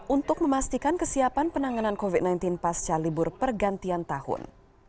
untuk memastikan kesiapan penanganan covid sembilan belas pasca libur pergantian tahun